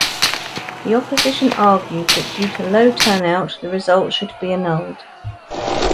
The opposition argued that due to low turnout the results should be annulled.